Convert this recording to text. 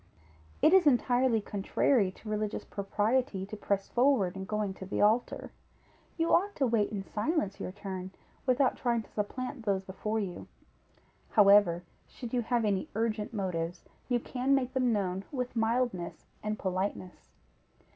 It is entirely contrary to religious propriety to press forward, in going to the altar; you ought to wait in silence your turn, without trying to supplant those before you; however, should you have any urgent motives, you can make them known with mildness and politeness.